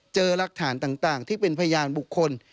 รักฐานต่างที่เป็นพยานบุคคล